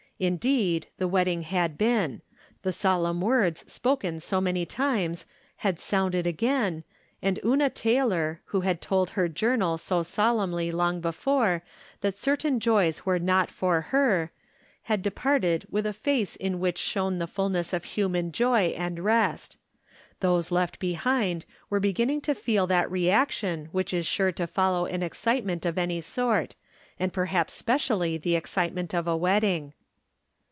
Indeed, the wedding had been ; the solemn words spoken so many times had sounded again, and Una Tay lor, who had told her Journal so solemnly long before that certain joys were not for her, had de parted with a face in which shone the fulness of human joy and rest. Those left behind were be ginning to feel that reaction which is sure to fol low an excitement of any sort, and perhaps spec ially the excitement of a wedding.